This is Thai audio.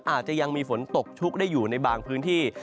อาจจะยังมีฝนตกชุกได้อยู่ในบางพื้นที่